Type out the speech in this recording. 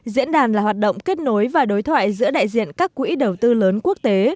diễn đàn là hoạt động kết nối và đối thoại giữa đại diện các quỹ đầu tư lớn quốc tế